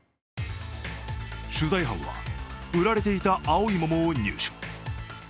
取材班は売られていた青い桃を入手。